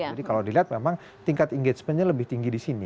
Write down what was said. jadi kalau dilihat memang tingkat engagementnya lebih tinggi di sini